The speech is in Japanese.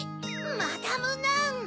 マダム・ナン！